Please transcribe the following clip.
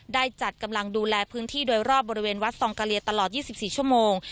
ได้จัดกำลังดูแลพื้นที่โดยรอบบริเวณวัดซองกะเลียตลอด๒๔ชั่วโมง